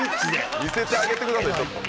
見せてあげてくださいちょっと。